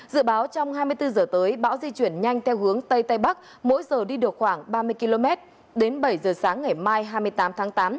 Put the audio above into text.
dự báo trong hai mươi bốn h tới bão di chuyển nhanh theo hướng tây tây bắc mỗi giờ đi được khoảng ba mươi km đến bảy giờ sáng ngày mai hai mươi tám tháng tám